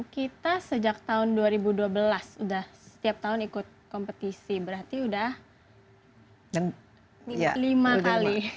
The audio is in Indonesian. kita sejak tahun dua ribu dua belas udah setiap tahun ikut kompetisi berarti sudah lima kali